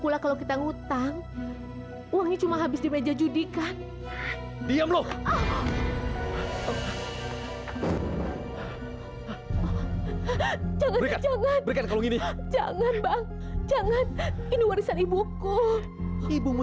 sampai jumpa di video selanjutnya